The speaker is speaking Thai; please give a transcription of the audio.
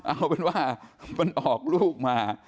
เอาเป็นว่ามันออกลูกมา